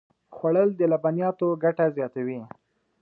خوړل د لبنیاتو ګټه زیاتوي